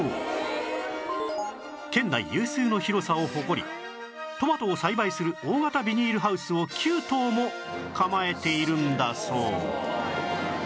県内有数の広さを誇りトマトを栽培する大型ビニールハウスを９棟も構えているんだそう